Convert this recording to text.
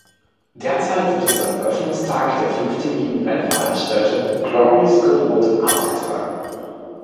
Derzeit wird es am Eröffungstag der fünftägigen Rennveranstaltung „Glorious Goodwood“ ausgetragen.